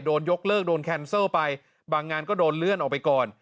โดนยกเลิกโดนแคนเซอร์ไปบางงานก็โดนเลื่อนออกไปก่อน